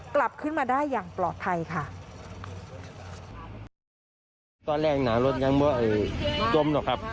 กลับขึ้นมาได้อย่างปลอดภัยค่ะ